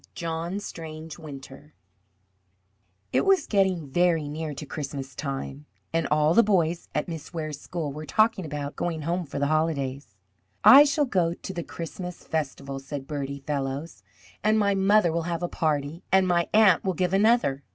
JOHN STRANGE WINTER It was getting very near to Christmas time, and all the boys at Miss Ware's school were talking about going home for the holidays. "I shall go to the Christmas festival," said Bertie Fellows, "and my mother will have a party, and my Aunt will give another.